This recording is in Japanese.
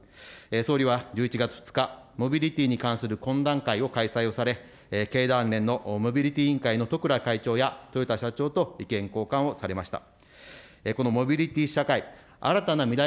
総理は１１月２日、モビリティに関する懇談会を開催をされ、経団連のモビリティ委員会のとくら会長や豊田社長と意見交換をされました。